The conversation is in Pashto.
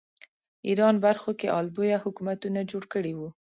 ایران برخو کې آل بویه حکومتونه جوړ کړي وو